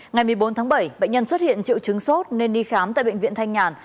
ngày một mươi bốn tháng bảy bệnh nhân xuất hiện triệu chứng sốt nên đi khám tại bệnh viện thanh nhàn